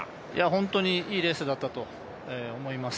本当にいいレースだったと思います。